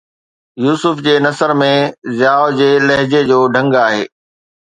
يوسف جي نثر ۾ ضياءَ جي لهجي جو ڍنگ آهي